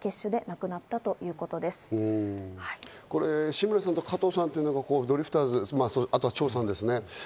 志村さんと加藤さんというのがドリフターズ、あとは長さんですね。